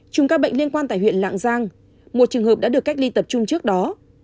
chùm các bệnh liên quan tại huyện lạng giang một trường hợp đã được cách ly tập trung trước đó